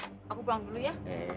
udah deh aku pulang dulu ya